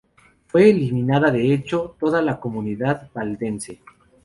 Fue eliminada, de hecho, toda la comunidad valdense.